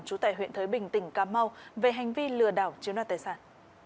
chú tài huyện thới bình tỉnh cà mau về hành vi lừa đảo chiếm đoạt tài sản